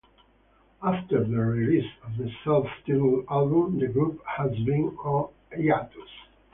After the release of the self-titled album, the group has been on hiatus.